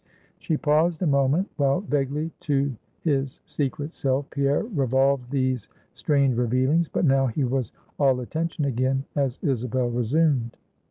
She paused a moment; while vaguely to his secret self Pierre revolved these strange revealings; but now he was all attention again as Isabel resumed.